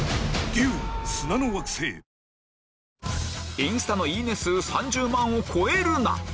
インスタのいいね数３０万を超えるな！